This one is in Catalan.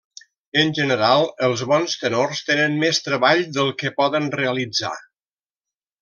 En general, els bons tenors tenen més treball del que poden realitzar.